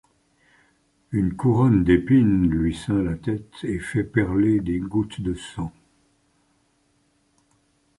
Une couronne d'épines lui ceint la tête et fait perler des gouttes de sang.